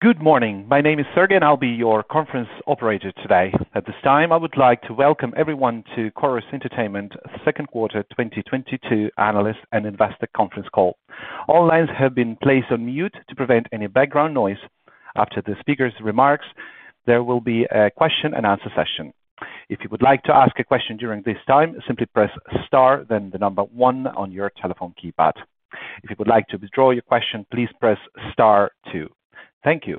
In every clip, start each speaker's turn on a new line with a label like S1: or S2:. S1: Good morning. My name is Sergey, and I'll be your conference operator today. At this time, I would like to welcome everyone to Corus Entertainment second quarter 2022 analyst and investor conference call. All lines have been placed on mute to prevent any background noise. After the speaker's remarks, there will be a question-and-answer session. If you would like to ask a question during this time, simply press star then the number 1 on your telephone keypad. If you would like to withdraw your question, please press star 2. Thank you.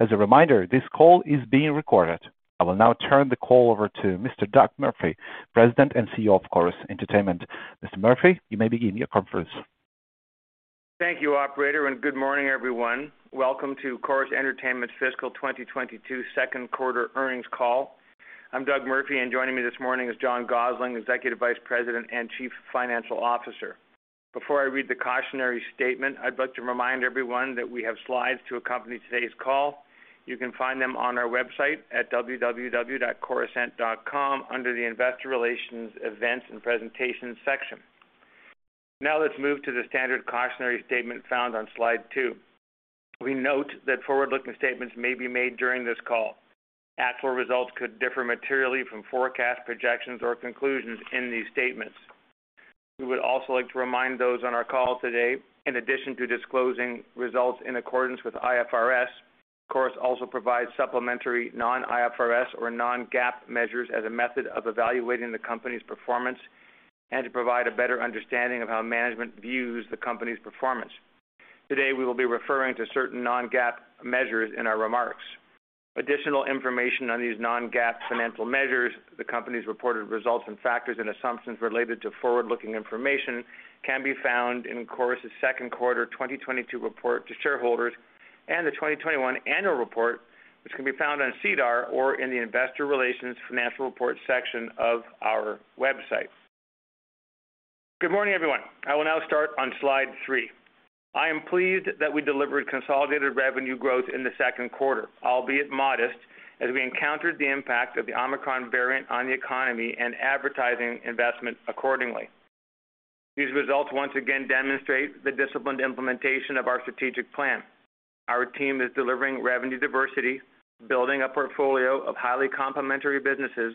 S1: As a reminder, this call is being recorded. I will now turn the call over to Mr. Doug Murphy, President and CEO of Corus Entertainment. Mr. Murphy, you may begin your conference.
S2: Thank you, operator, and good morning, everyone. Welcome to Corus Entertainment's fiscal 2022 second quarter earnings call. I'm Doug Murphy, and joining me this morning is John Gossling, Executive Vice President and Chief Financial Officer. Before I read the cautionary statement, I'd like to remind everyone that we have slides to accompany today's call. You can find them on our website at www.corusent.com under the Investor Relations Events and Presentations section. Now let's move to the standard cautionary statement found on slide 2. We note that forward-looking statements may be made during this call. Actual results could differ materially from forecast projections or conclusions in these statements. We would also like to remind those on our call today, in addition to disclosing results in accordance with IFRS, Corus also provides supplementary non-IFRS or non-GAAP measures as a method of evaluating the company's performance and to provide a better understanding of how management views the company's performance. Today, we will be referring to certain non-GAAP measures in our remarks. Additional information on these non-GAAP financial measures, the company's reported results, and factors and assumptions related to forward-looking information can be found in Corus' second quarter 2022 report to shareholders and the 2021 annual report, which can be found on SEDAR or in the Investor Relations Financial Report section of our website. Good morning, everyone. I will now start on slide three. I am pleased that we delivered consolidated revenue growth in the second quarter, albeit modest, as we encountered the impact of the Omicron variant on the economy and advertising investment accordingly. These results once again demonstrate the disciplined implementation of our strategic plan. Our team is delivering revenue diversity, building a portfolio of highly complementary businesses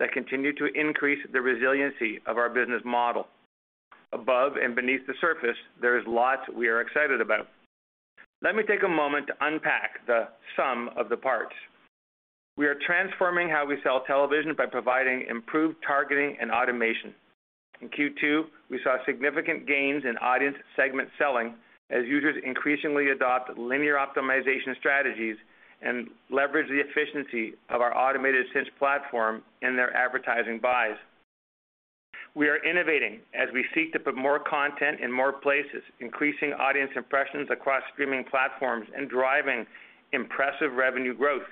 S2: that continue to increase the resiliency of our business model. Above and beneath the surface, there is lots we are excited about. Let me take a moment to unpack the sum of the parts. We are transforming how we sell television by providing improved targeting and automation. In Q2, we saw significant gains in audience segment selling as users increasingly adopt linear optimization strategies and leverage the efficiency of our automated Cynch platform in their advertising buys. We are innovating as we seek to put more content in more places, increasing audience impressions across streaming platforms and driving impressive revenue growth.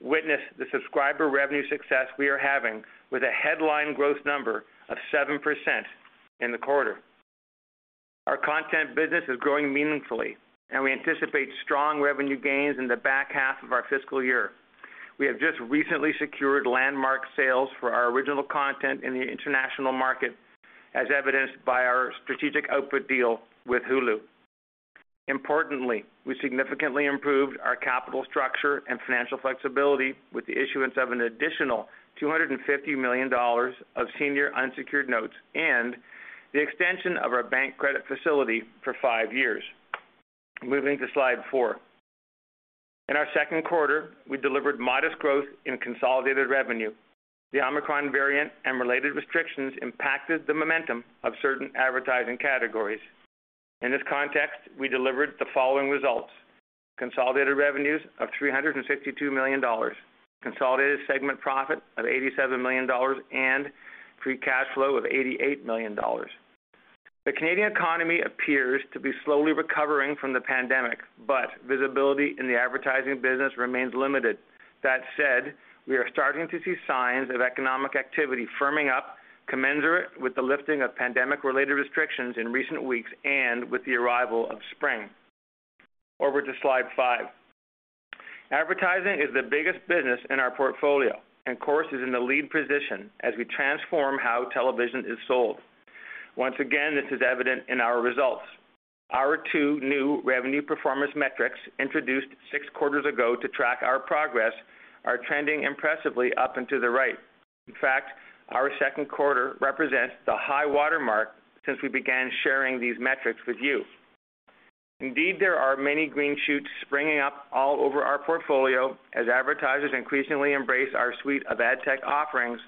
S2: Witness the subscriber revenue success we are having with a headline growth number of 7% in the quarter. Our content business is growing meaningfully, and we anticipate strong revenue gains in the back half of our fiscal year. We have just recently secured landmark sales for our original content in the international market, as evidenced by our strategic output deal with Hulu. Importantly, we significantly improved our capital structure and financial flexibility with the issuance of an additional $250 million of senior unsecured notes and the extension of our bank credit facility for 5 years. Moving to slide 4. In our second quarter, we delivered modest growth in consolidated revenue. The Omicron variant and related restrictions impacted the momentum of certain advertising categories. In this context, we delivered the following results. Consolidated revenues of 362 million dollars, consolidated segment profit of 87 million dollars, and free cash flow of 88 million dollars. The Canadian economy appears to be slowly recovering from the pandemic, but visibility in the advertising business remains limited. That said, we are starting to see signs of economic activity firming up commensurate with the lifting of pandemic-related restrictions in recent weeks and with the arrival of spring. Over to slide five. Advertising is the biggest business in our portfolio, and Corus is in the lead position as we transform how television is sold. Once again, this is evident in our results. Our two new revenue performance metrics, introduced six quarters ago to track our progress, are trending impressively up and to the right. In fact, our second quarter represents the high watermark since we began sharing these metrics with you. Indeed, there are many green shoots springing up all over our portfolio as advertisers increasingly embrace our suite of ad tech offerings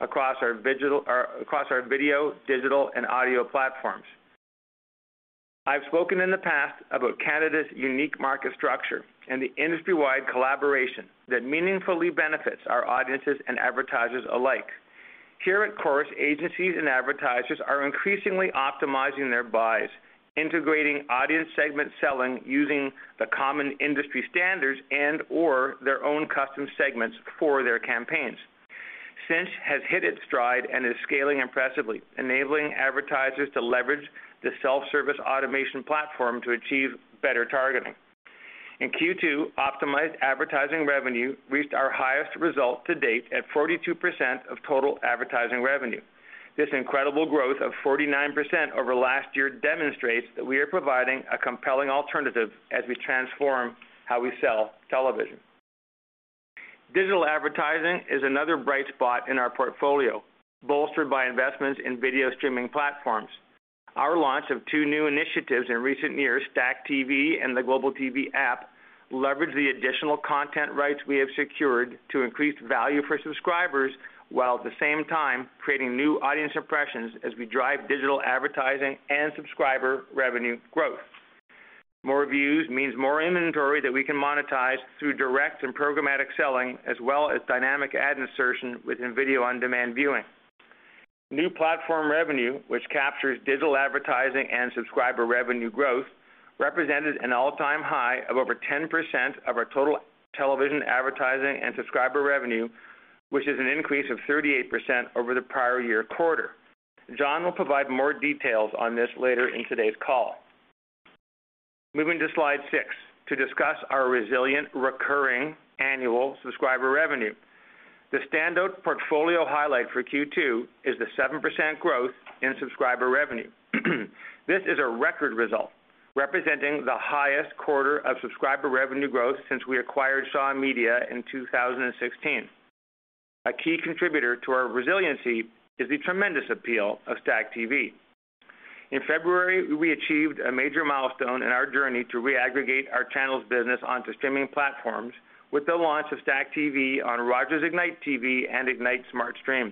S2: across our video, digital, and audio platforms. I've spoken in the past about Canada's unique market structure and the industry-wide collaboration that meaningfully benefits our audiences and advertisers alike. Here at Corus, agencies and advertisers are increasingly optimizing their buys, integrating audience segment selling using the common industry standards and/or their own custom segments for their campaigns. Cinch has hit its stride and is scaling impressively, enabling advertisers to leverage the self-service automation platform to achieve better targeting. In Q2, optimized advertising revenue reached our highest result to date at 42% of total advertising revenue. This incredible growth of 49% over last year demonstrates that we are providing a compelling alternative as we transform how we sell television. Digital advertising is another bright spot in our portfolio, bolstered by investments in video streaming platforms. Our launch of two new initiatives in recent years, STACKTV and the Global TV App, leverage the additional content rights we have secured to increase value for subscribers, while at the same time creating new audience impressions as we drive digital advertising and subscriber revenue growth. More views means more inventory that we can monetize through direct and programmatic selling, as well as dynamic ad insertion within video-on-demand viewing. New platform revenue, which captures digital advertising and subscriber revenue growth, represented an all-time high of over 10% of our total television advertising and subscriber revenue, which is an increase of 38% over the prior year quarter. John will provide more details on this later in today's call. Moving to slide 6 to discuss our resilient recurring annual subscriber revenue. The standout portfolio highlight for Q2 is the 7% growth in subscriber revenue. This is a record result, representing the highest quarter of subscriber revenue growth since we acquired Shaw Media in 2016. A key contributor to our resiliency is the tremendous appeal of STACKTV. In February, we achieved a major milestone in our journey to re-aggregate our channels business onto streaming platforms with the launch of STACKTV on Rogers Ignite TV and Ignite SmartStream.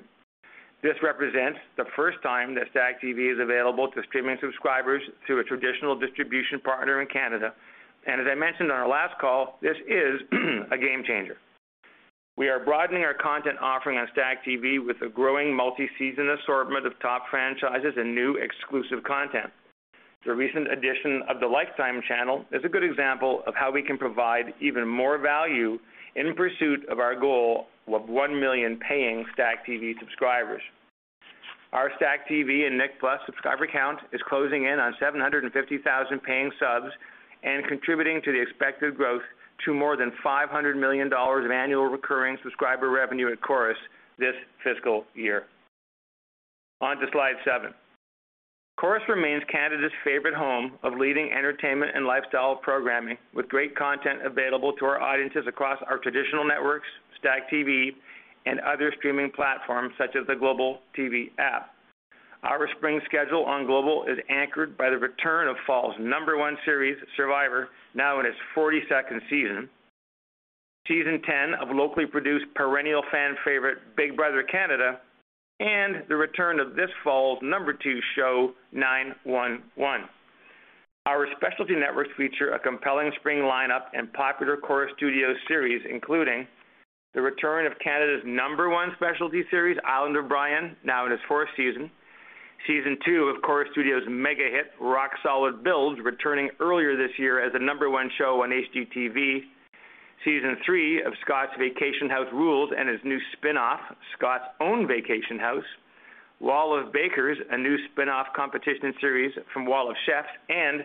S2: This represents the first time that STACKTV is available to streaming subscribers through a traditional distribution partner in Canada, and as I mentioned on our last call, this is a game changer. We are broadening our content offering on STACKTV with a growing multi-season assortment of top franchises and new exclusive content. The recent addition of the Lifetime channel is a good example of how we can provide even more value in pursuit of our goal of 1 million paying STACKTV subscribers. Our STACKTV and Nick+ subscriber count is closing in on 750,000 paying subs and contributing to the expected growth to more than 500 million dollars of annual recurring subscriber revenue at Corus this fiscal year. On to slide 7. Corus remains Canada's favorite home of leading entertainment and lifestyle programming, with great content available to our audiences across our traditional networks, STACKTV, and other streaming platforms such as the Global TV App. Our spring schedule on Global is anchored by the return of fall's number one series, Survivor, now in its 42nd season, Season 10 of locally produced perennial fan favorite Big Brother Canada, and the return of this fall's number two show, 9-1-1. Our specialty networks feature a compelling spring lineup and popular Corus Studios series, including the return of Canada's number one specialty series, Island of Bryan, now in its 4th season, Season 2 of Corus Studios' mega hit, Rock Solid Builds, returning earlier this year as the number one show on HGTV, Season 3 of Scott's Vacation House Rules and his new spinoff, Scott's Own Vacation House, Wall of Bakers, a new spinoff competition series from Wall of Chefs, and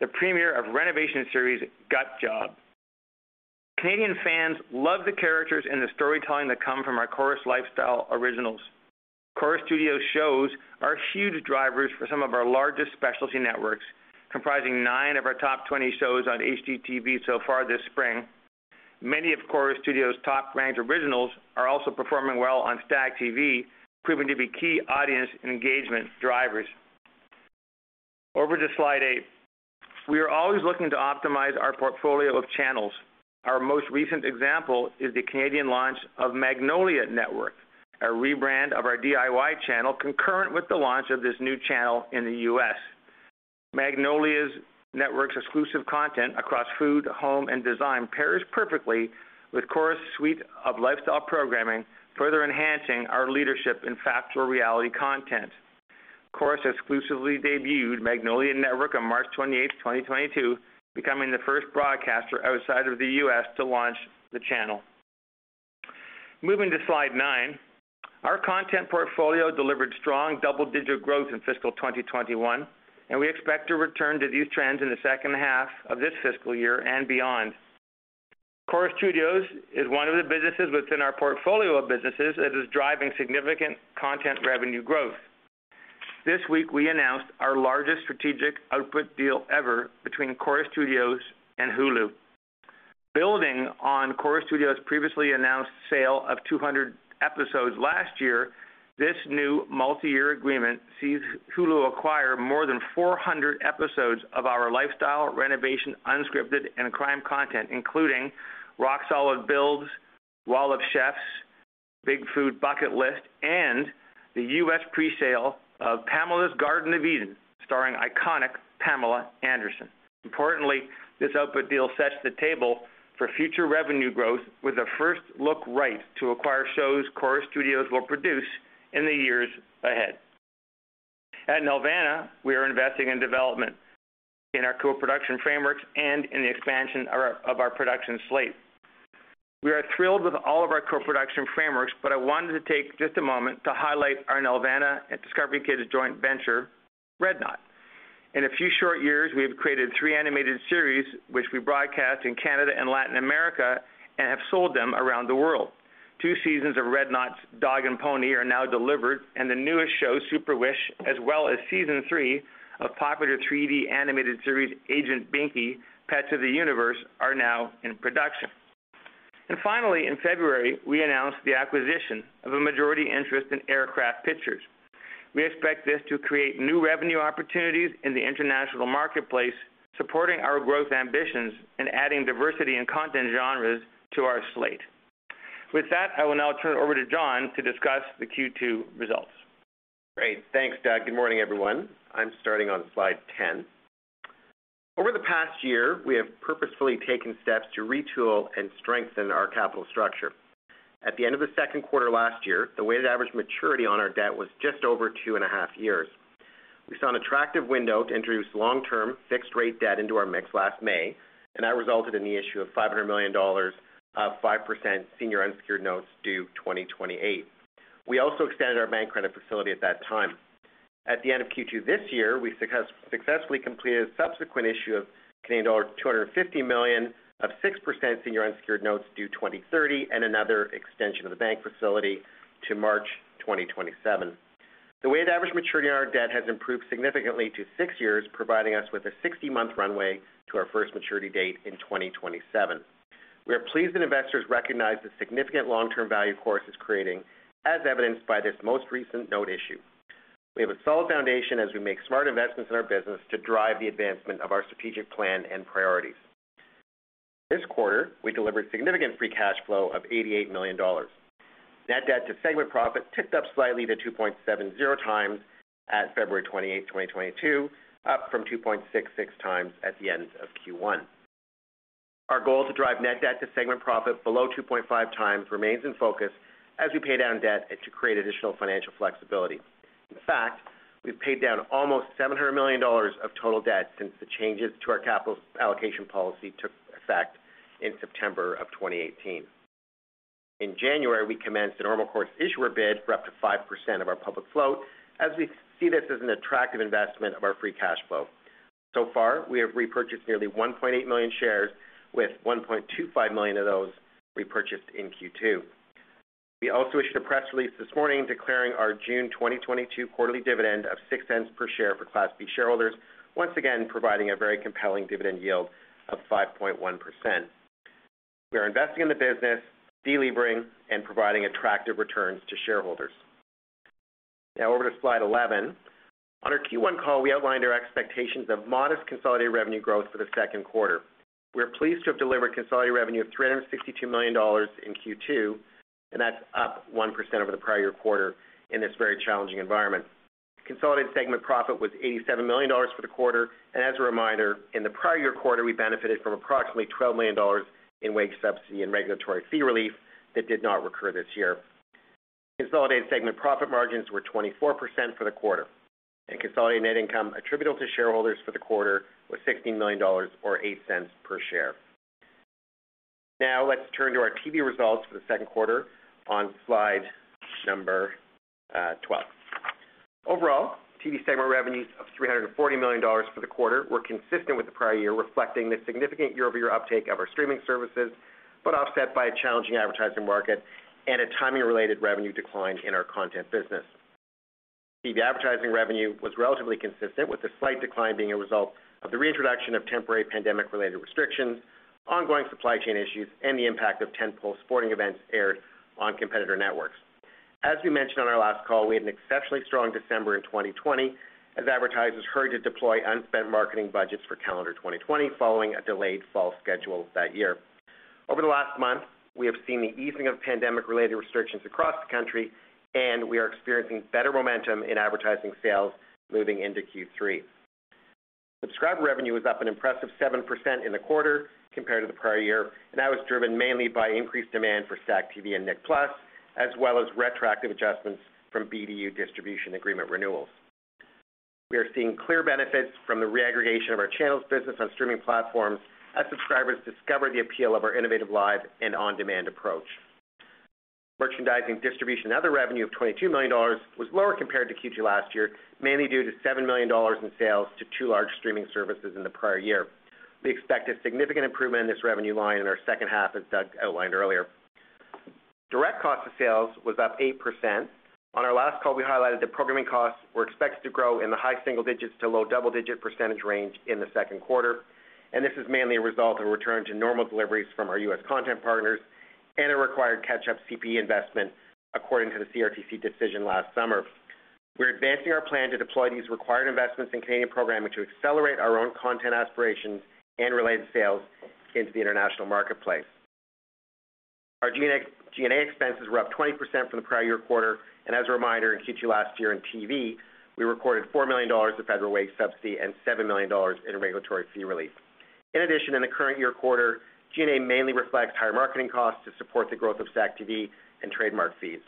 S2: the premiere of renovation series, Gut Job. Canadian fans love the characters and the storytelling that come from our Corus lifestyle originals. Corus Studios shows are huge drivers for some of our largest specialty networks, comprising 9 of our top 20 shows on HGTV so far this spring. Many of Corus Studio's top-ranked originals are also performing well on STACKTV, proving to be key audience and engagement drivers. Over to slide 8. We are always looking to optimize our portfolio of channels. Our most recent example is the Canadian launch of Magnolia Network, a rebrand of our DIY Network channel, concurrent with the launch of this new channel in the U.S. Magnolia Network's exclusive content across food, home, and design pairs perfectly with Corus's suite of lifestyle programming, further enhancing our leadership in factual reality content. Corus exclusively debuted Magnolia Network on March 28, 2022, becoming the first broadcaster outside of the U.S. to launch the channel. Moving to slide 9. Our content portfolio delivered strong double-digit growth in fiscal 2021, and we expect to return to these trends in the second half of this fiscal year and beyond. Corus Studios is one of the businesses within our portfolio of businesses that is driving significant content revenue growth. This week, we announced our largest strategic output deal ever between Corus Studios and Hulu. Building on Corus Studios' previously announced sale of 200 episodes last year, this new multi-year agreement sees Hulu acquire more than 400 episodes of our lifestyle, renovation, unscripted, and crime content, including Rock Solid Builds, Wall of Chefs, Big Food Bucket List, and the U.S. presale of Pamela's Garden of Eden, starring iconic Pamela Anderson. Importantly, this output deal sets the table for future revenue growth with a first look right to acquire shows Corus Studios will produce in the years ahead. At Nelvana, we are investing in development in our co-production frameworks and in the expansion of our production slate. We are thrilled with all of our co-production frameworks, but I wanted to take just a moment to highlight our Nelvana and Discovery Kids joint venture, Red Knot. In a few short years, we have created 3 animated series, which we broadcast in Canada and Latin America and have sold them around the world. 2 seasons of Red Knot's The Dog & Pony Show are now delivered, and the newest show, Super Wish, as well as season 3 of popular 3D animated series Agent Binky: Pets of the Universe are now in production. Finally, in February, we announced the acquisition of a majority interest in Aircraft Pictures. We expect this to create new revenue opportunities in the international marketplace, supporting our growth ambitions and adding diversity and content genres to our slate. With that, I will now turn it over to John to discuss the Q2 results.
S3: Great. Thanks, Doug. Good morning, everyone. I'm starting on slide 10. Over the past year, we have purposefully taken steps to retool and strengthen our capital structure. At the end of the second quarter last year, the weighted average maturity on our debt was just over 2.5 years. We saw an attractive window to introduce long-term fixed rate debt into our mix last May, and that resulted in the issue of $500 million of 5% senior unsecured notes due 2028. We also extended our bank credit facility at that time. At the end of Q2 this year, we successfully completed a subsequent issue of Canadian dollar 250 million of 6% senior unsecured notes due 2030, and another extension of the bank facility to March 2027. The weighted average maturity on our debt has improved significantly to 6 years, providing us with a 60-month runway to our first maturity date in 2027. We are pleased that investors recognize the significant long-term value Corus is creating, as evidenced by this most recent note issue. We have a solid foundation as we make smart investments in our business to drive the advancement of our strategic plan and priorities. This quarter, we delivered significant free cash flow of 88 million dollars. Net debt to segment profit ticked up slightly to 2.70 times at February 28, 2022, up from 2.66 times at the end of Q1. Our goal to drive net debt to segment profit below 2.5 times remains in focus as we pay down debt and to create additional financial flexibility. In fact, we've paid down almost 700 million dollars of total debt since the changes to our capital allocation policy took effect in September 2018. In January, we commenced a normal course issuer bid for up to 5% of our public float, as we see this as an attractive investment of our free cash flow. So far, we have repurchased nearly 1.8 million shares, with 1.25 million of those repurchased in Q2. We also issued a press release this morning declaring our June 2022 quarterly dividend of 0.06 per share for Class B shareholders, once again providing a very compelling dividend yield of 5.1%. We are investing in the business, delevering, and providing attractive returns to shareholders. Now over to slide 11. On our Q1 call, we outlined our expectations of modest consolidated revenue growth for the second quarter. We are pleased to have delivered consolidated revenue of 362 million dollars in Q2, and that's up 1% over the prior year quarter in this very challenging environment. Consolidated segment profit was 87 million dollars for the quarter. As a reminder, in the prior year quarter, we benefited from approximately 12 million dollars in wage subsidy and regulatory fee relief that did not recur this year. Consolidated segment profit margins were 24% for the quarter, and consolidated net income attributable to shareholders for the quarter was 16 million dollars, or 0.08 per share. Now, let's turn to our TV results for the second quarter on slide number 12. Overall, TV segment revenues of 340 million dollars for the quarter were consistent with the prior year, reflecting the significant year-over-year uptake of our streaming services, but offset by a challenging advertising market and a timing-related revenue decline in our content business. TV advertising revenue was relatively consistent, with a slight decline being a result of the reintroduction of temporary pandemic-related restrictions, ongoing supply chain issues, and the impact of tent pole sporting events aired on competitor networks. We mentioned on our last call, we had an exceptionally strong December in 2020 as advertisers hurried to deploy unspent marketing budgets for calendar 2020 following a delayed fall schedule that year. Over the last month, we have seen the easing of pandemic-related restrictions across the country, and we are experiencing better momentum in advertising sales moving into Q3. Subscriber revenue was up an impressive 7% in the quarter compared to the prior year, and that was driven mainly by increased demand for STACKTV and Nick+, as well as retroactive adjustments from BDU distribution agreement renewals. We are seeing clear benefits from the reaggregation of our channels business on streaming platforms as subscribers discover the appeal of our innovative live and on-demand approach. Merchandising, distribution, and other revenue of 22 million dollars was lower compared to Q2 last year, mainly due to 7 million dollars in sales to two large streaming services in the prior year. We expect a significant improvement in this revenue line in our second half, as Doug outlined earlier. Direct cost of sales was up 8%. On our last call, we highlighted that programming costs were expected to grow in the high single digits to low double-digit % range in the second quarter, and this is mainly a result of return to normal deliveries from our U.S. content partners and a required catch-up CPE investment according to the CRTC decision last summer. We're advancing our plan to deploy these required investments in Canadian programming to accelerate our own content aspirations and related sales into the international marketplace. Our G&A expenses were up 20% from the prior year quarter, and as a reminder, in Q2 last year in TV, we recorded 4 million dollars of federal wage subsidy and 7 million dollars in regulatory fee relief. In addition, in the current year quarter, G&A mainly reflects higher marketing costs to support the growth of STACKTV and trademark fees.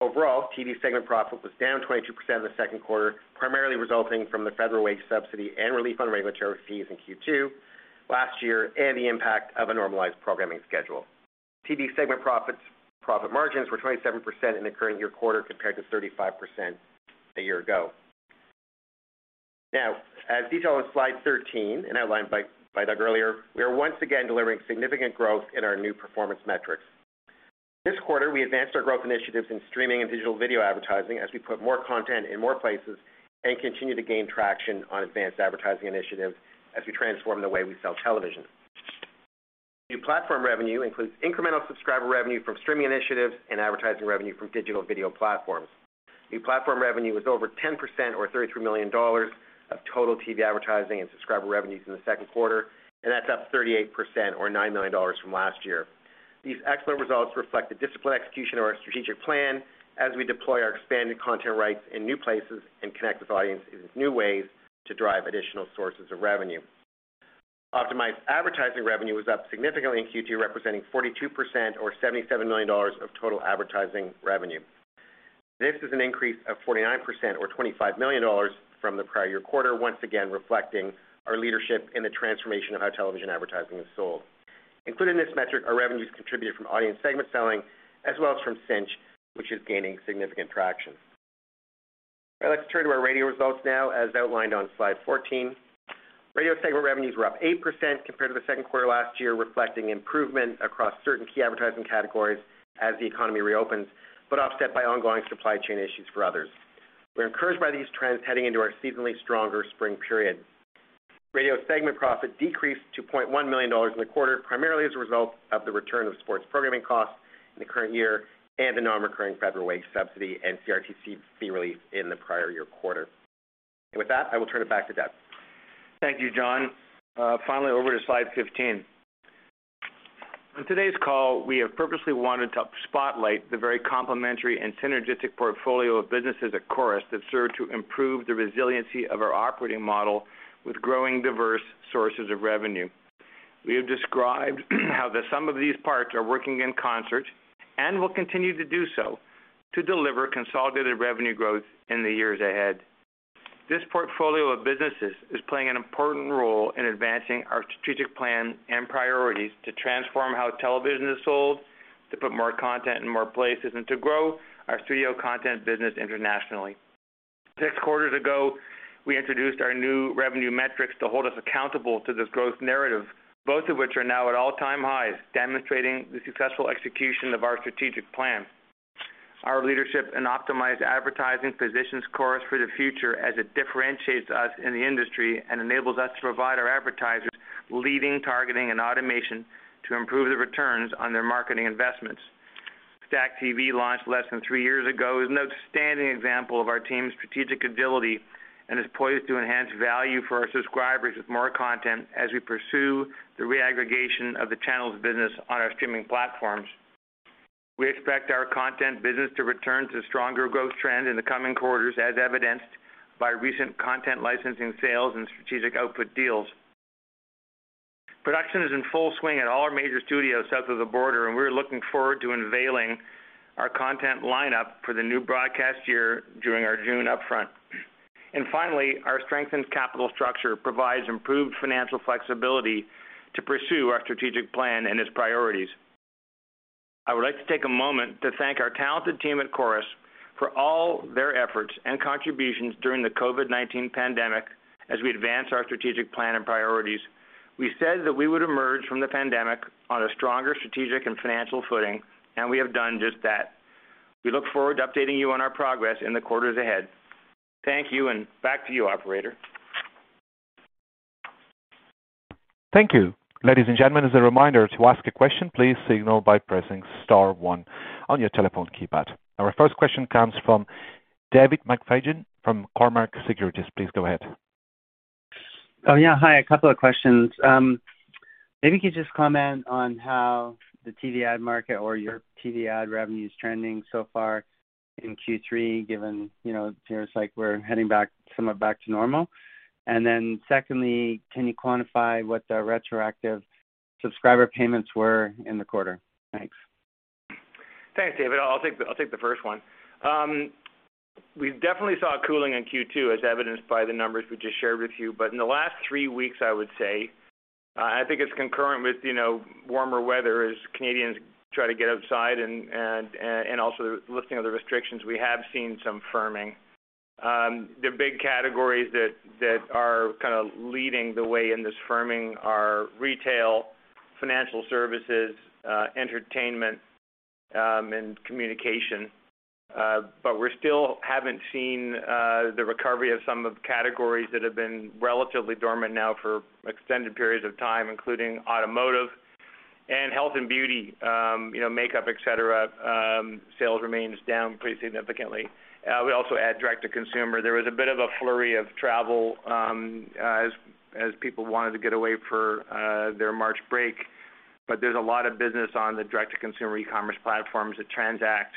S3: Overall, TV segment profit was down 22% in the second quarter, primarily resulting from the federal wage subsidy and relief on regulatory fees in Q2 last year and the impact of a normalized programming schedule. TV segment profits, profit margins were 27% in the current year quarter compared to 35% a year ago. Now, as detailed on slide 13 and outlined by Doug earlier, we are once again delivering significant growth in our new performance metrics. This quarter, we advanced our growth initiatives in streaming and digital video advertising as we put more content in more places and continue to gain traction on advanced advertising initiatives as we transform the way we sell television. New platform revenue includes incremental subscriber revenue from streaming initiatives and advertising revenue from digital video platforms. New platform revenue was over 10% or 33 million dollars of total TV advertising and subscriber revenues in the second quarter, and that's up 38% or 9 million dollars from last year. These excellent results reflect the disciplined execution of our strategic plan as we deploy our expanded content rights in new places and connect with audiences in new ways to drive additional sources of revenue. Optimized advertising revenue was up significantly in Q2, representing 42% or 77 million dollars of total advertising revenue. This is an increase of 49% or 25 million dollars from the prior year quarter, once again reflecting our leadership in the transformation of how television advertising is sold. Included in this metric are revenues contributed from audience segment selling as well as from Cinch, which is gaining significant traction. All right, let's turn to our radio results now, as outlined on slide 14. Radio segment revenues were up 8% compared to the second quarter last year, reflecting improvement across certain key advertising categories as the economy reopens, but offset by ongoing supply chain issues for others. We're encouraged by these trends heading into our seasonally stronger spring period. Radio segment profit decreased to 0.1 million dollars in the quarter, primarily as a result of the return of sports programming costs in the current year and the non-recurring federal wage subsidy and CRTC fee relief in the prior year quarter. With that, I will turn it back to Doug.
S2: Thank you, John. Finally over to slide 15. On today's call, we have purposely wanted to spotlight the very complementary and synergistic portfolio of businesses at Corus that serve to improve the resiliency of our operating model with growing diverse sources of revenue. We have described how the sum of these parts are working in concert and will continue to do so to deliver consolidated revenue growth in the years ahead. This portfolio of businesses is playing an important role in advancing our strategic plan and priorities to transform how television is sold, to put more content in more places, and to grow our studio content business internationally. 6 quarters ago, we introduced our new revenue metrics to hold us accountable to this growth narrative, both of which are now at all-time highs, demonstrating the successful execution of our strategic plan. Our leadership and optimized advertising positions Corus for the future as it differentiates us in the industry and enables us to provide our advertisers leading targeting and automation to improve the returns on their marketing investments. STACKTV launched less than three years ago, is an outstanding example of our team's strategic agility and is poised to enhance value for our subscribers with more content as we pursue the reaggregation of the channels business on our streaming platforms. We expect our content business to return to stronger growth trend in the coming quarters, as evidenced by recent content licensing sales and strategic output deals. Production is in full swing at all our major studios south of the border, and we're looking forward to unveiling our content lineup for the new broadcast year during our June upfront. Finally, our strengthened capital structure provides improved financial flexibility to pursue our strategic plan and its priorities. I would like to take a moment to thank our talented team at Corus for all their efforts and contributions during the COVID-19 pandemic as we advance our strategic plan and priorities. We said that we would emerge from the pandemic on a stronger strategic and financial footing, and we have done just that. We look forward to updating you on our progress in the quarters ahead. Thank you, and back to you, operator.
S1: Thank you. Ladies and gentlemen, as a reminder, to ask a question, please signal by pressing star one on your telephone keypad. Our first question comes from David McFadgen from Cormark Securities. Please go ahead.
S4: Oh, yeah. Hi, a couple of questions. Maybe you could just comment on how the TV ad market or your TV ad revenue is trending so far in Q3, given it appears like we're heading somewhat back to normal. Then secondly, can you quantify what the retroactive subscriber payments were in the quarter? Thanks.
S2: Thanks, David. I'll take the first one. We definitely saw a cooling in Q2, as evidenced by the numbers we just shared with you. In the last three weeks, I would say I think it's concurrent with warmer weather as Canadians try to get outside and also lifting of the restrictions, we have seen some firming. The big categories that are kind of leading the way in this firming are retail, financial services, entertainment, and communication. But we still haven't seen the recovery of some of the categories that have been relatively dormant now for extended periods of time, including automotive and health and beauty makeup, et cetera, sales remains down pretty significantly. We also add direct-to-consumer. There was a bit of a flurry of travel, as people wanted to get away for their March break, but there's a lot of business on the direct-to-consumer e-commerce platforms that transact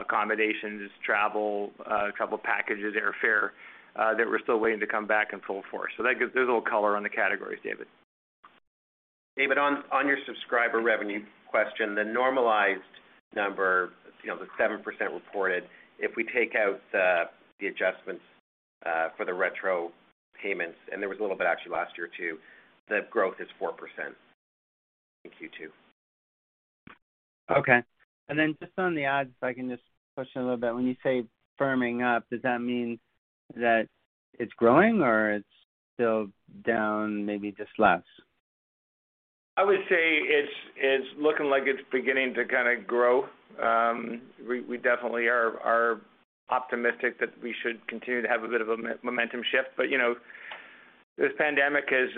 S2: accommodations, travel, a couple packages, airfare that we're still waiting to come back in full force. That gives a little color on the categories, David.
S3: David, on your subscriber revenue question, the normalized number, you know, the 7% reported, if we take out the adjustments for the retro payments, and there was a little bit actually last year too, the growth is 4% in Q2.
S4: Okay. Then just on the odds, if I can just push a little bit. When you say firming up, does that mean that it's growing or it's still down, maybe just less?
S2: I would say it's looking like it's beginning to kinda grow. We definitely are optimistic that we should continue to have a bit of a momentum shift. This pandemic has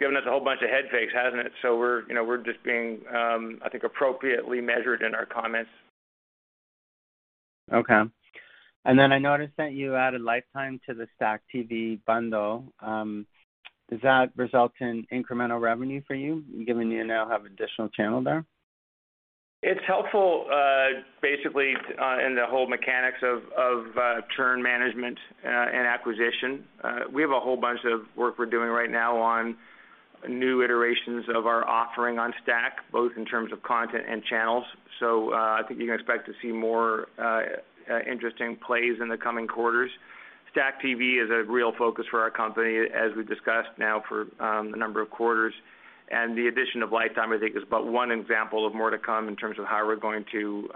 S2: given us a whole bunch of head fakes, hasn't it? We're just being, I think, appropriately measured in our comments.
S4: Okay. I noticed that you added Lifetime to the STACKTV bundle. Does that result in incremental revenue for you, given you now have additional channel there?
S2: It's helpful, basically, in the whole mechanics of churn management and acquisition. We have a whole bunch of work we're doing right now on new iterations of our offering on STACKTV, both in terms of content and channels. You can expect to see more interesting plays in the coming quarters. STACKTV is a real focus for our company, as we've discussed now for a number of quarters. The addition of Lifetime is but one example of more to come in terms of how we're going to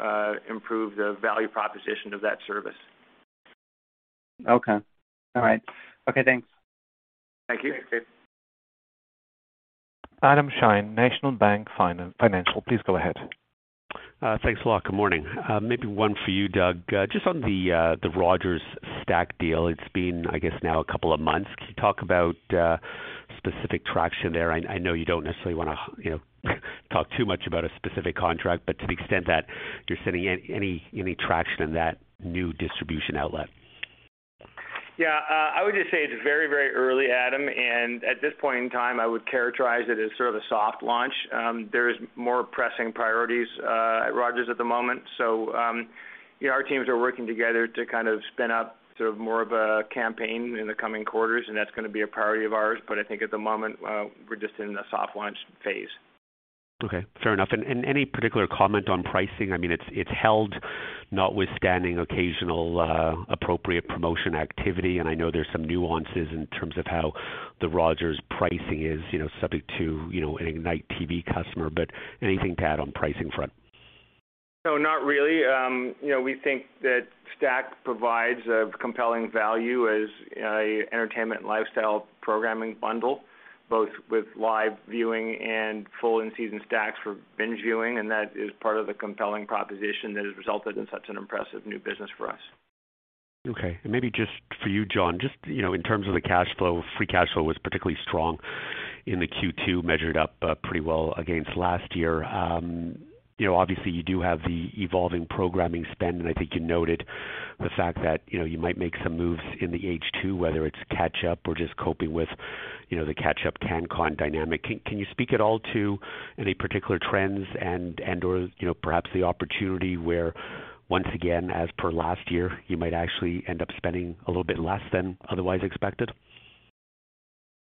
S2: improve the value proposition of that service.
S4: Okay. All right. Okay, thanks.
S2: Thank you.
S4: Okay.
S1: Adam Shine, National Bank Financial. Please go ahead.
S5: Thanks a lot. Good morning. Maybe one for you, Doug. Just on the Rogers STACKTV deal. It's been, I guess, now a couple of months. Can you talk about specific traction there? I know you don't necessarily wanna, you know, talk too much about a specific contract, but to the extent that you're seeing any traction in that new distribution outlet.
S2: Yeah. I would just say it's very, very early, Adam, and at this point in time, I would characterize it as sort of a soft launch. There is more pressing priorities at Rogers at the moment. You know, our teams are working together to kind of spin up sort of more of a campaign in the coming quarters, and that's gonna be a priority of ours. I think at the moment, we're just in the soft launch phase.
S5: Okay. Fair enough. Any particular comment on pricing? I mean, it's held notwithstanding occasional appropriate promotion activity, and there's some nuances in terms of how the Rogers pricing is subject to an Ignite TV customer. Anything to add on pricing front?
S2: No, not really. You know, we think that STACKTV provides a compelling value as an entertainment and lifestyle programming bundle, both with live viewing and full in-season stacks for binge viewing, and that is part of the compelling proposition that has resulted in such an impressive new business for us.
S5: Okay. Maybe just for you, John, in terms of the cash flow, free cash flow was particularly strong in the Q2, measured up pretty well against last year. Obviously you do have the evolving programming spend, and I think you noted the fact that you might make some moves in the H2, whether it's catch-up or just coping with the catch-up CanCon dynamic. Can you speak at all to any particular trends and/or, you know, perhaps the opportunity where once again, as per last year, you might actually end up spending a little bit less than otherwise expected?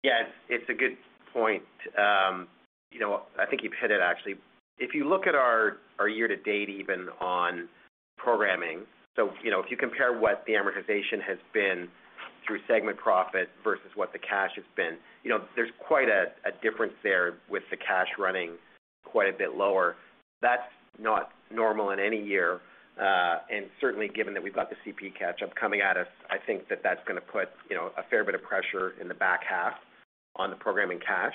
S3: Yeah. It's a good point. I think you've hit it actually. If you look at our year to date even on programming if you compare what the amortization has been through segment profit versus what the cash has been there's quite a difference there with the cash running quite a bit lower. That's not normal in any year. Certainly given that we've got the CP catch-up coming at us, I think that's gonna put a fair bit of pressure in the back half on the programming cash.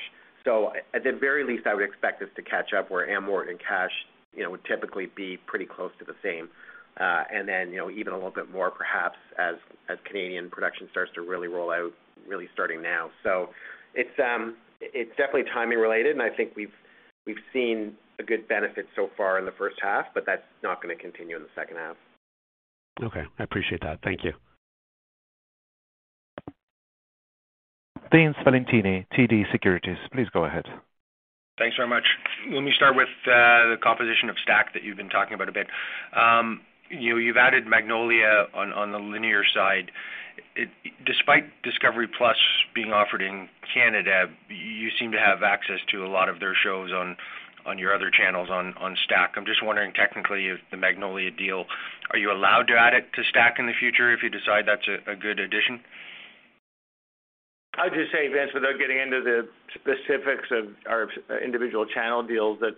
S3: At the very least, I would expect this to catch up where amort and cash would typically be pretty close to the same. Even a little bit more perhaps as Canadian production starts to really roll out, really starting now. It's definitely timing related, and I think we've seen a good benefit so far in the first half, but that's not gonna continue in the second half.
S5: Okay. I appreciate that. Thank you.
S1: Vince Valentini, TD Securities. Please go ahead.
S6: Thanks very much. Let me start with the composition of STACKTV that you've been talking about a bit. You've added Magnolia on the linear side. Despite discovery+ being offered in Canada, you seem to have access to a lot of their shows on your other channels on STACKTV. I'm just wondering technically, if the Magnolia deal, are you allowed to add it to STACKTV in the future if you decide that's a good addition?
S2: I'll just say, Vince, without getting into the specifics of our individual channel deals, that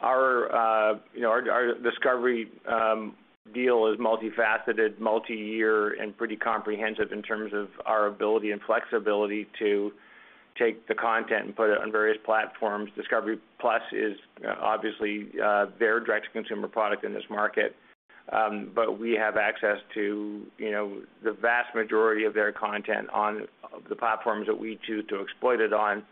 S2: our Discovery deal is multifaceted, multi-year and pretty comprehensive in terms of our ability and flexibility to take the content and put it on various platforms. discovery+ is obviously their direct to consumer product in this market, but we have access to the vast majority of their content on the platforms that we choose to exploit it on.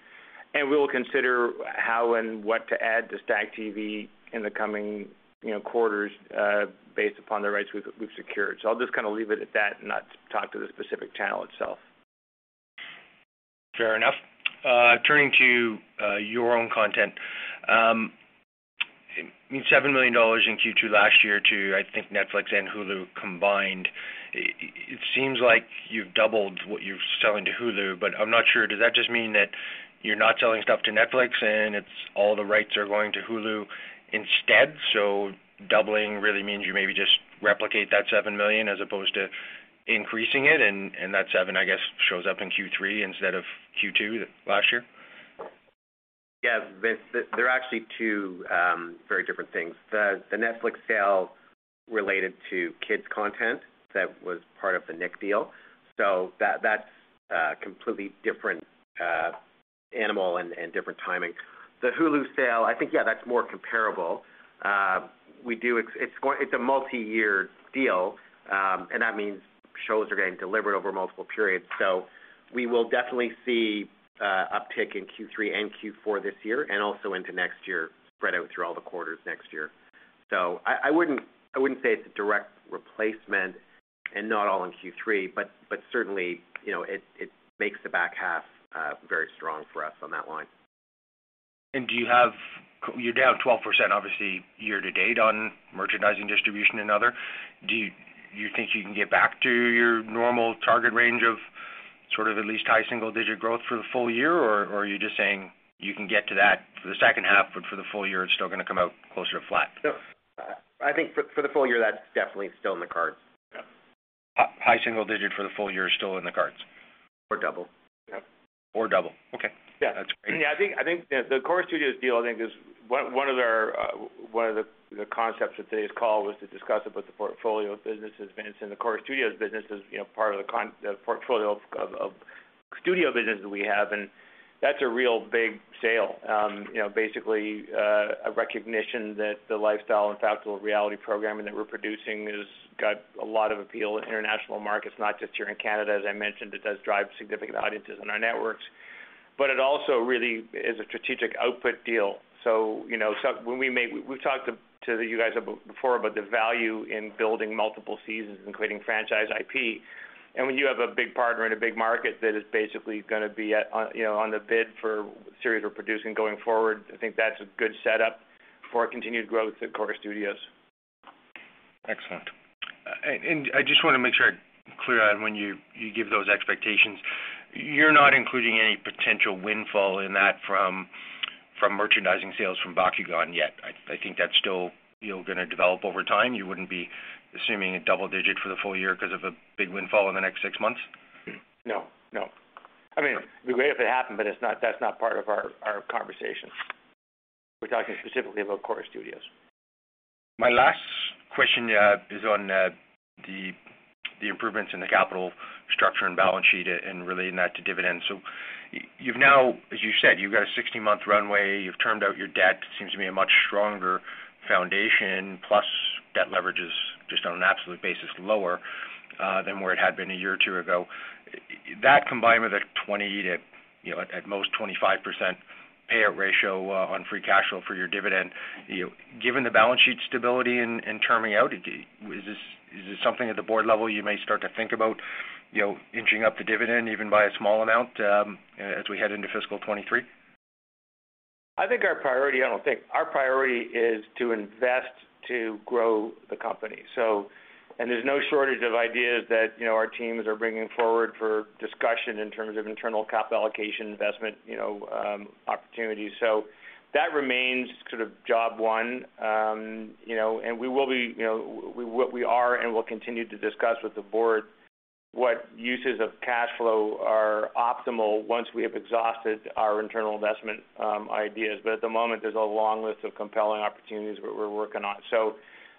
S2: We'll consider how and what to add to STACKTV in the coming quarters based upon the rights we've secured. I'll just kinda leave it at that and not talk to the specific channel itself.
S6: Fair enough. Turning to your own content. It means $7 million in Q2 last year to, I think, Netflix and Hulu combined. It seems like you've doubled what you're selling to Hulu, but I'm not sure, does that just mean that you're not selling stuff to Netflix and it's all the rights are going to Hulu instead? Doubling really means you maybe just replicate that $7 million as opposed to increasing it, and that $7, I guess, shows up in Q3 instead of Q2 last year?
S3: Yeah, Vince, they're actually two very different things. The Netflix sale related to kids content, that was part of the Nick deal. That's a completely different animal and different timing. The Hulu sale, I think, yeah, that's more comparable. It's a multi-year deal, and that means shows are getting delivered over multiple periods. We will definitely see uptick in Q3 and Q4 this year and also into next year, spread out through all the quarters next year. I wouldn't say it's a direct replacement and not all in Q3, but certainly it makes the back half very strong for us on that line.
S6: You're down 12% obviously year-to-date on merchandising distribution and other. Do you think you can get back to your normal target range of sort of at least high single-digit growth for the full year? Or are you just saying you can get to that for the second half, but for the full year, it's still gonna come out closer to flat?
S3: No. I think for the full year, that's definitely still in the cards.
S6: High single-digit for the full year is still in the cards.
S3: Double. Yep.
S6: Double. Okay.
S3: Yeah.
S6: That's great.
S2: I think the Corus Studios deal is one of the concepts of today's call was to discuss it with the portfolio of businesses, Vince, and the Corus Studios business is part of the portfolio of studio business that we have, and that's a real big sale. Basically, a recognition that the lifestyle and factual reality programming that we're producing has got a lot of appeal in international markets, not just here in Canada. As I mentioned, it does drive significant audiences on our networks. It also really is a strategic output deal. When we've talked to you guys before about the value in building multiple seasons, including franchise IP. When you have a big partner in a big market that is basically gonna be on the bid for series we're producing going forward, I think that's a good setup for continued growth at Corus Studios.
S6: Excellent. I just wanna make sure I'm clear on when you give those expectations. You're not including any potential windfall in that from merchandising sales from Bakugan yet. I think that's still gonna develop over time. You wouldn't be assuming a double digit for the full year 'cause of a big windfall in the next six months.
S2: No. I mean, it'd be great if it happened, but that's not part of our conversation. We're talking specifically about Corus Studios.
S6: My last question is on the improvements in the capital structure and balance sheet and relating that to dividends. You've now, as you said, you've got a 60-month runway. You've termed out your debt. It seems to be a much stronger foundation, plus debt leverage is just on an absolute basis lower than where it had been a year or two ago. That combined with a 20-25% payout ratio on free cash flow for your dividend given the balance sheet stability in terming out, is this something at the board level you may start to think about, you know, inching up the dividend even by a small amount as we head into fiscal 2023?
S2: Our priority is to invest to grow the company. There's no shortage of ideas that our teams are bringing forward for discussion in terms of internal capital allocation investment opportunities. That remains sort of job one. We will be, we are and will continue to discuss with the board what uses of cash flow are optimal once we have exhausted our internal investment ideas. At the moment, there's a long list of compelling opportunities we're working on.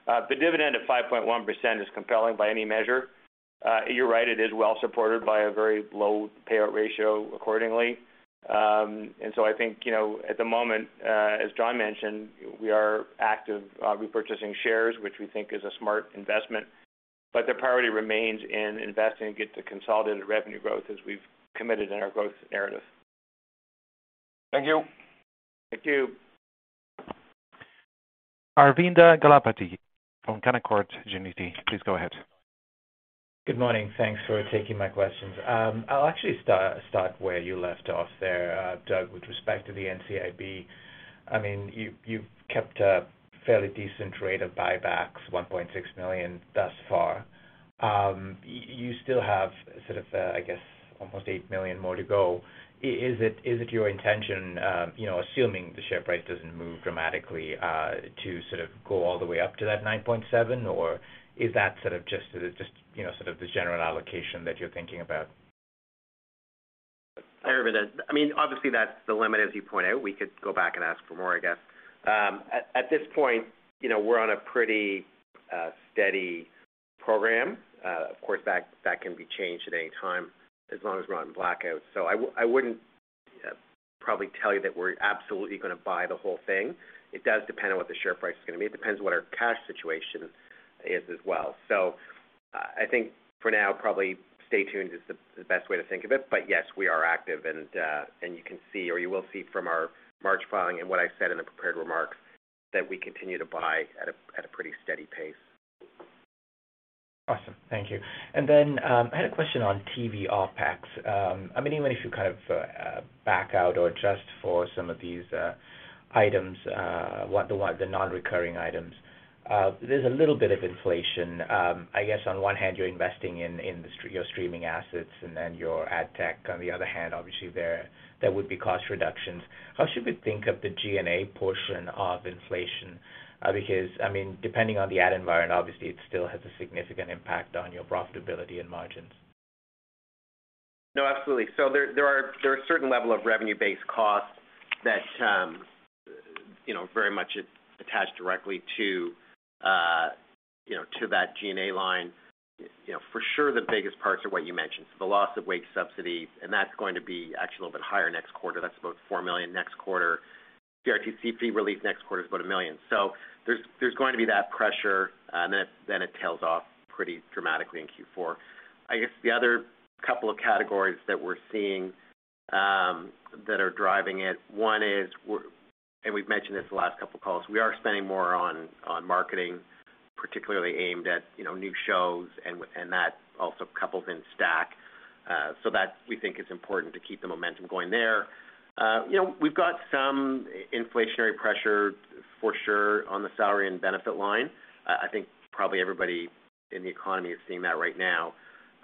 S2: The dividend at 5.1% is compelling by any measure. You're right, it is well supported by a very low payout ratio accordingly. At the moment, as John mentioned, we are active repurchasing shares, which we think is a smart investment. The priority remains in investing to get to consolidated revenue growth as we've committed in our growth narrative.
S6: Thank you.
S2: Thank you.
S1: Aravinda Galappatthige from Canaccord Genuity, please go ahead.
S7: Good morning. Thanks for taking my questions. I'll actually start where you left off there, Doug, with respect to the NCIB. You've kept a fairly decent rate of buybacks, 1.6 million thus far. You still have sort of, I guess almost 8 million more to go. Is it your intention assuming the share price doesn't move dramatically, to sort of go all the way up to that 9.7? Or is that sort of just, you know, sort of the general allocation that you're thinking about?
S3: Aravinda obviously that's the limit, as you point out. We could go back and ask for more, I guess. At this point we're on a pretty steady program. Of course, that can be changed at any time as long as we're not in blackout. I wouldn't probably tell you that we're absolutely gonna buy the whole thing. It does depend on what the share price is gonna be. It depends on what our cash situation is as well. I think for now, probably stay tuned is the best way to think of it. But yes, we are active and you can see, or you will see from our March filing and what I said in the prepared remarks that we continue to buy at a pretty steady pace.
S7: Awesome. Thank you. I had a question on TV OpEx. I mean, even if you kind of back out or adjust for some of these items, what the non-recurring items, there's a little bit of inflation. I guess on one hand you're investing in your streaming assets and then your ad tech. On the other hand, obviously there would be cost reductions. How should we think of the G&A portion of inflation? Because, I mean, depending on the ad environment, obviously it still has a significant impact on your profitability and margins.
S3: No, absolutely. There are certain level of revenue-based costs that, you know, very much attached directly to, you know, to that G&A line. You know, for sure the biggest parts are what you mentioned. The loss of wage subsidy, and that's going to be actually a little bit higher next quarter. That's about 4 million next quarter. CRTC fee release next quarter is about 1 million. There's going to be that pressure, and then it tails off pretty dramatically in Q4. I guess the other couple of categories that we're seeing, that are driving it, one is. We've mentioned this the last couple of calls. We are spending more on marketing, particularly aimed at new shows and that also couples in STACKTV, so that we think is important to keep the momentum going there. We've got some inflationary pressure for sure on the salary and benefit line. I think probably everybody in the economy is seeing that right now.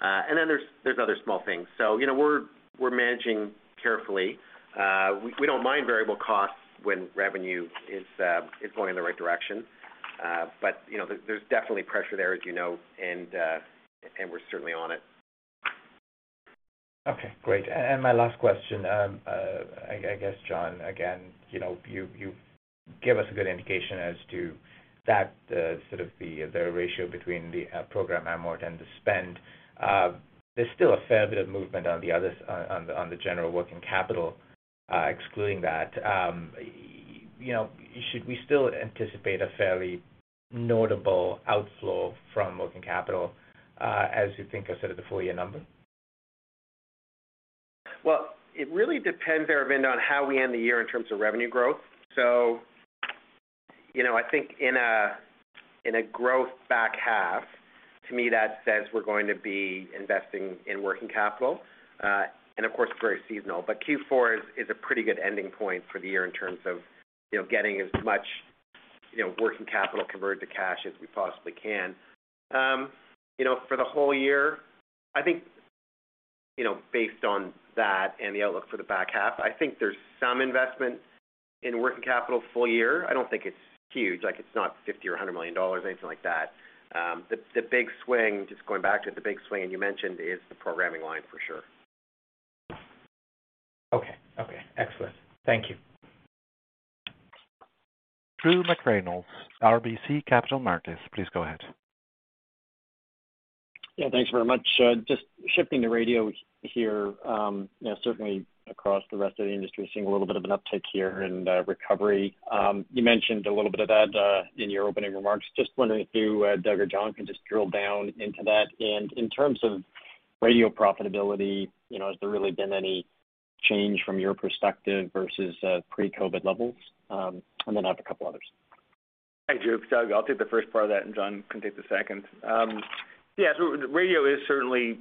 S3: There's other small things. We're managing carefully. We don't mind variable costs when revenue is going in the right direction. There's definitely pressure there and we're certainly on it.
S7: Okay, great. My last question John, again you give us a good indication as to that, sort of the ratio between the program amort and the spend. There's still a fair bit of movement on the general working capital, excluding that. Should we still anticipate a fairly notable outflow from working capital, as you think of sort of the full year number?
S3: Well, it really depends, Arvind, on how we end the year in terms of revenue growth. In a growth back half, to me that says we're going to be investing in working capital. Of course, very seasonal, but Q4 is a pretty good ending point for the year in terms of getting as much working capital converted to cash as we possibly can. For the whole year you know, based on that and the outlook for the back half, I think there's some investment in working capital full year. I don't think it's huge. Like, it's not 50 million or 100 million dollars, anything like that. The big swing, just going back to the big swing and you mentioned, is the programming line for sure.
S7: Okay. Excellent. Thank you.
S1: Drew McReynolds, RBC Capital Markets, please go ahead.
S8: Yeah, thanks very much. Just shifting to radio here certainly across the rest of the industry, seeing a little bit of an uptick here and recovery. You mentioned a little bit of that in your opening remarks. Just wondering if you, Doug or John, can just drill down into that. In terms of radio profitability has there really been any change from your perspective versus pre-COVID levels? Then I have a couple others.
S2: Hi, Drew. Doug, I'll take the first part of that, and John can take the second. Yeah. Radio is certainly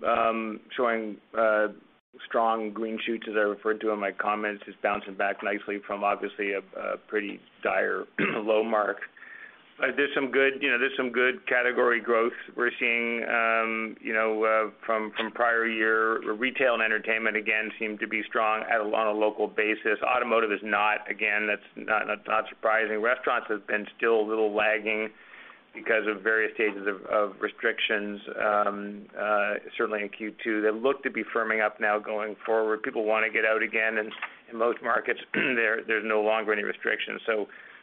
S2: showing strong green shoots, as I referred to in my comments. It's bouncing back nicely from obviously a pretty dire low mark. There's some good category growth we're seeing from prior year. Retail and entertainment, again, seem to be strong on a local basis. Automotive is not. Again, that's not surprising. Restaurants have been still a little lagging because of various stages of restrictions, certainly in Q2. They look to be firming up now going forward. People wanna get out again, and in most markets, there's no longer any restrictions.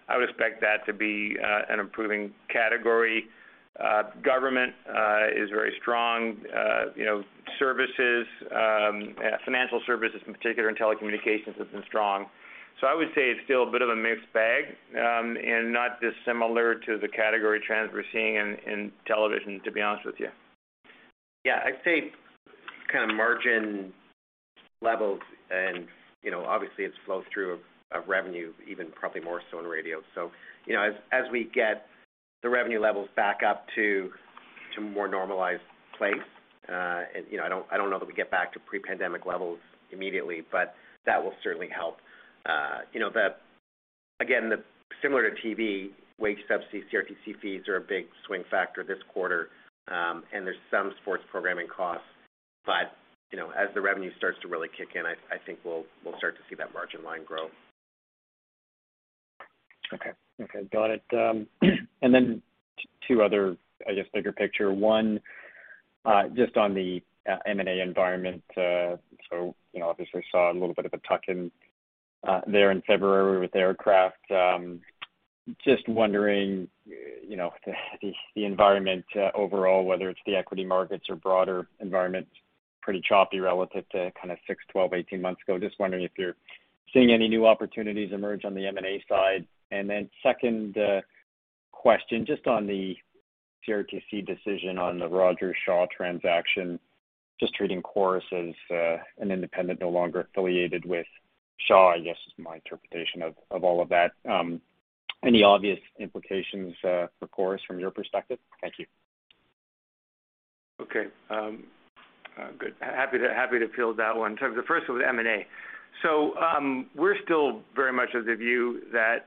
S2: I would expect that to be an improving category. Government is very strong. Services, financial services in particular and telecommunications has been strong. I would say it's still a bit of a mixed bag, and not dissimilar to the category trends we're seeing in television, to be honest with you.
S3: Yeah. I'd say kind of margin levels and obviously it's flow through of revenue, even probably more so in radio. As we get the revenue levels back up to more normalized place, and I don't know that we get back to pre-pandemic levels immediately, but that will certainly help. Again, it's similar to TV, wage subsidy, CRTC fees are a big swing factor this quarter, and there's some sports programming costs. As the revenue starts to really kick in, I think we'll start to see that margin line grow.
S8: Okay. Got it. Then two other, I guess, bigger picture. One, just on the M&A environment. So, you know, obviously saw a little bit of a tuck-in there in February with Aircraft. Just wondering, you know, the environment overall, whether it's the equity markets or broader environments, pretty choppy relative to kind of 6, 12, 18 months ago. Just wondering if you're seeing any new opportunities emerge on the M&A side. Second question, just on the CRTC decision on the Rogers Shaw transaction, just treating Corus as an independent, no longer affiliated with Shaw, I guess, is my interpretation of all of that. Any obvious implications for Corus from your perspective? Thank you.
S2: Good. Happy to field that one. In terms of the first one with M&A. We're still very much of the view that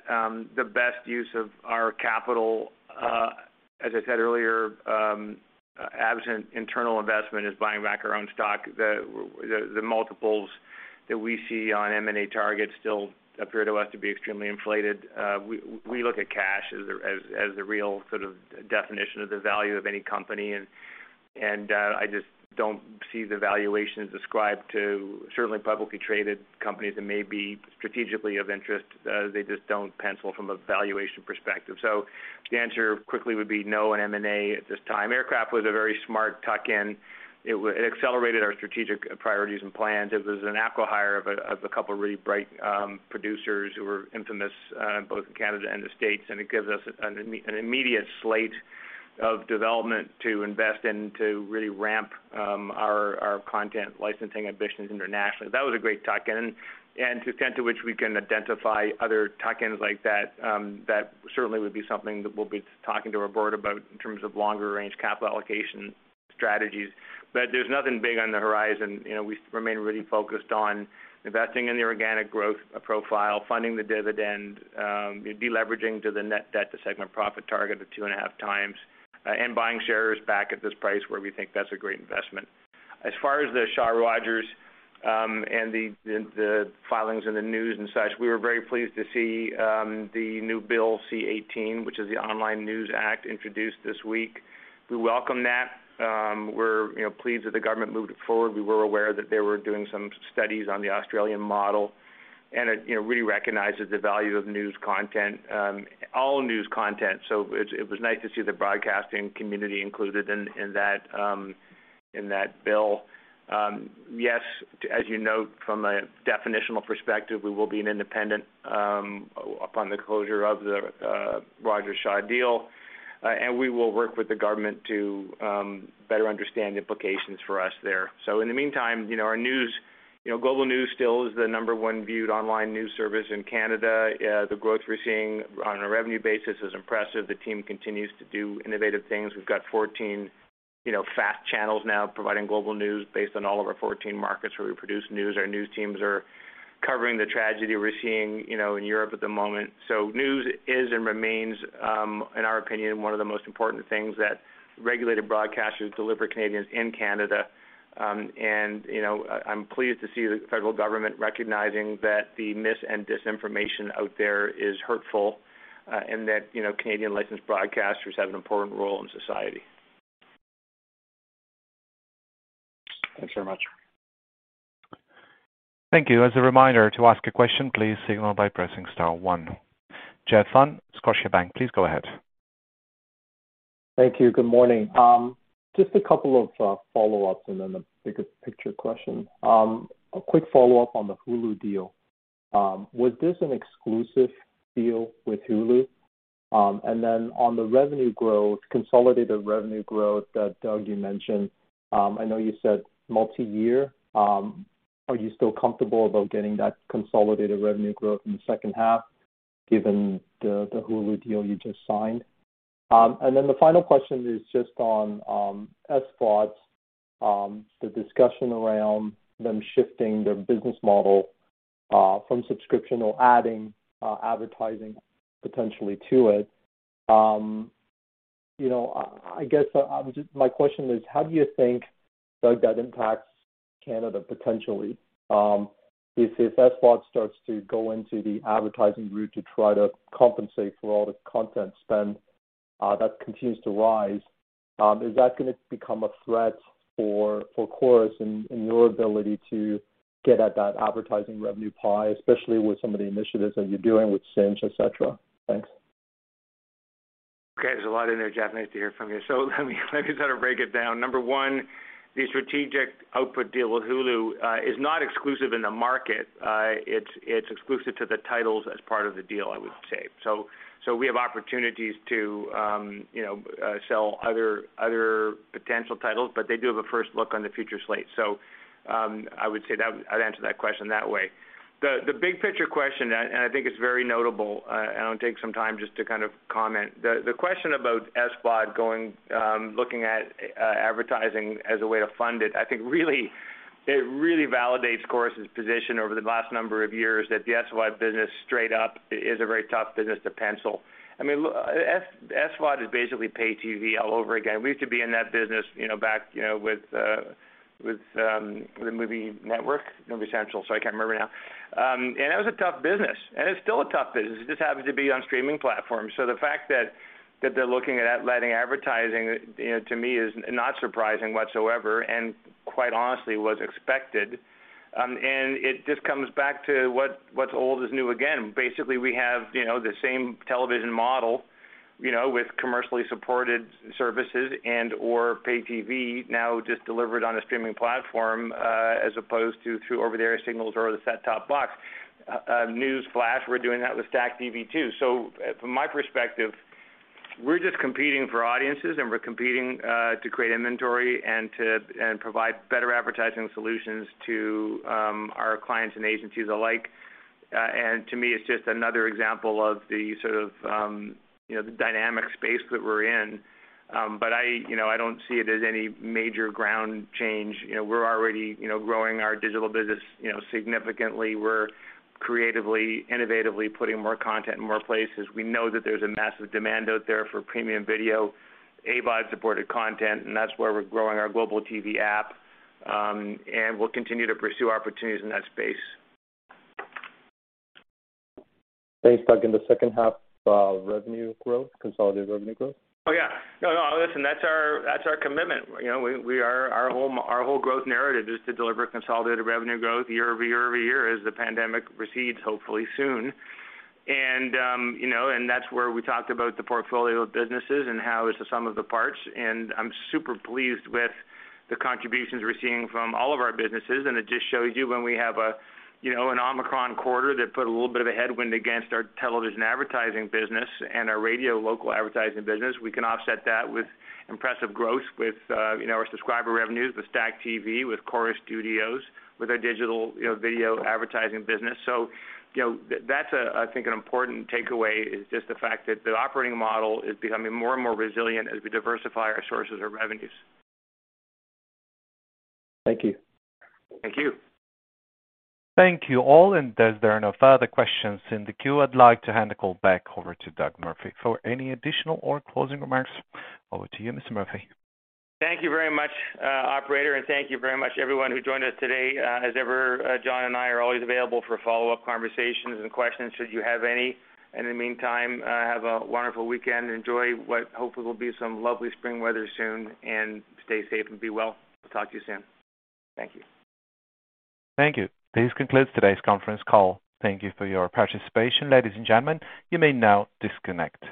S2: the best use of our capital. As I said earlier, absent internal investment is buying back our own stock. The multiples that we see on M&A targets still appear to us to be extremely inflated. We look at cash as the real sort of definition of the value of any company. I just don't see the valuations ascribed to certainly publicly traded companies that may be strategically of interest. They just don't pencil from a valuation perspective. The answer quickly would be no on M&A at this time. Aircraft was a very smart tuck in. It accelerated our strategic priorities and plans. It was an acqui-hire of a couple of really bright producers who were infamous both in Canada and the States, and it gives us an immediate slate of development to invest in, to really ramp our content licensing ambitions internationally. That was a great tuck in. To the extent to which we can identify other tuck-ins like that certainly would be something that we'll be talking to our board about in terms of longer range capital allocation strategies. There's nothing big on the horizon, we remain really focused on investing in the organic growth profile, funding the dividend, de-leveraging to the net debt to segment profit target of two and a half times, and buying shares back at this price where we think that's a great investment. As far as the Rogers-Shaw and the filings in the news and such, we were very pleased to see the new Bill C-18, which is the Online News Act, introduced this week. We welcome that. We're pleased that the government moved it forward. We were aware that they were doing some studies on the Australian model, and it really recognizes the value of news content, all news content. It was nice to see the broadcasting community included in that bill. Yes, as you note, from a definitional perspective, we will be an independent upon the closure of the Rogers-Shaw deal, and we will work with the government to better understand the implications for us there. In the meantime our news Global News still is the number one viewed online news service in Canada. The growth we're seeing on a revenue basis is impressive. The team continues to do innovative things. We've got 14 FAST channels now providing Global News based on all of our 14 markets where we produce news. Our news teams are covering the tragedy we're seeing in Europe at the moment. News is and remains, in our opinion, one of the most important things that regulated broadcasters deliver to Canadians in Canada. I'm pleased to see the federal government recognizing that the mis and disinformation out there is hurtful, and that Canadian licensed broadcasters have an important role in society.
S8: Thanks very much.
S1: Thank you. As a reminder to ask a question, please signal by pressing star one. Jeff Fan, Scotiabank, please go ahead.
S9: Thank you. Good morning. Just a couple of follow-ups and then a bigger picture question. A quick follow-up on the Hulu deal. Was this an exclusive deal with Hulu? On the revenue growth, consolidated revenue growth that, Doug, you mentioned, I know you said multi-year. Are you still comfortable about getting that consolidated revenue growth in the second half given the Hulu deal you just signed? The final question is just on ads, thoughts on the discussion around them shifting their business model from subscription or adding advertising potentially to it. My question is, how do you think, Doug, that impacts Canada potentially? If SVOD starts to go into the advertising route to try to compensate for all the content spend that continues to rise, is that gonna become a threat for Corus and your ability to get at that advertising revenue pie, especially with some of the initiatives that you're doing with Cinch, et cetera? Thanks.
S2: Okay, there's a lot in there, Jeff. Nice to hear from you. Let me sort of break it down. Number one, the strategic output deal with Hulu is not exclusive in the market. It's exclusive to the titles as part of the deal, I would say. We have opportunities to you know sell other potential titles, but they do have a first look on the future slate. I would say that I'd answer that question that way. The big picture question, and I think it's very notable, and I'll take some time just to kind of comment. The question about SVOD going looking at advertising as a way to fund it, I think it really validates Corus' position over the last number of years that the SVOD business straight up is a very tough business to pencil. I mean, look, SVOD is basically pay TV all over again. We used to be in that business back with the Movie Network, Movie Central, sorry, I can't remember now. It was a tough business, and it's still a tough business. It just happens to be on streaming platforms. The fact that they're looking at letting advertising to me is not surprising whatsoever, and quite honestly, was expected. It just comes back to what's old is new again. Basically, we have the same television model with commercially supported services and/or pay TV now just delivered on a streaming platform as opposed to through over-the-air signals or the set-top box. Newsflash, we're doing that with STACKTV too. From my perspective, we're just competing for audiences and we're competing to create inventory and to provide better advertising solutions to our clients and agencies alike. To me it's just another example of the sort of the dynamic space that we're in. I don't see it as any major game change. We're already growing our digital business significantly. We're creatively, innovatively putting more content in more places. We know that there's a massive demand out there for premium video, AVOD supported content, and that's where we're growing our Global TV App. We'll continue to pursue opportunities in that space.
S9: Thanks, Doug. The second half, revenue growth, consolidated revenue growth?
S2: Oh, yeah. No, no, listen, that's our commitment. We are our whole growth narrative is to deliver consolidated revenue growth year over year over year as the pandemic recedes, hopefully soon. That's where we talked about the portfolio of businesses and how it's the sum of the parts. I'm super pleased with the contributions we're seeing from all of our businesses. It just shows you when we have an Omicron quarter that put a little bit of a headwind against our television advertising business and our radio local advertising business, we can offset that with impressive growth with our subscriber revenues with STACKTV, with Corus Studios, with our digital video advertising business. That's a, I think an important takeaway is just the fact that the operating model is becoming more and more resilient as we diversify our sources of revenues.
S9: Thank you.
S2: Thank you.
S1: Thank you all. As there are no further questions in the queue, I'd like to hand the call back over to Doug Murphy for any additional or closing remarks. Over to you, Mr. Murphy.
S2: Thank you very much, operator, and thank you very much everyone who joined us today. As ever, John and I are always available for follow-up conversations and questions should you have any. In the meantime, have a wonderful weekend. Enjoy what hopefully will be some lovely spring weather soon, and stay safe and be well. Talk to you soon. Thank you.
S1: Thank you. This concludes today's conference call. Thank you for your participation. Ladies and gentlemen, you may now disconnect.